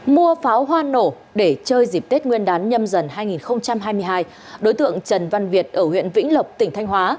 mua pháo hoa nổ để chơi dịp tết nguyên đán nhâm dần hai nghìn hai mươi hai đối tượng trần văn việt ở huyện vĩnh lộc tỉnh thanh hóa